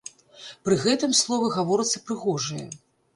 Пры гэтым словы гаворацца прыгожыя.